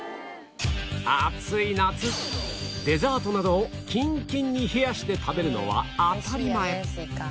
暑い夏デザートなどをキンキンに冷やして食べるのは当たり前